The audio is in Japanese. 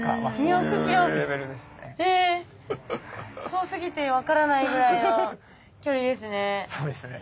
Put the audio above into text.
遠すぎて分からないぐらいの距離ですね。